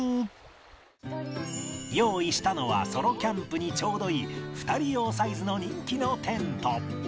用意したのはソロキャンプにちょうどいい２人用サイズの人気のテント